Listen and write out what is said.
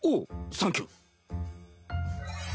サンキュ。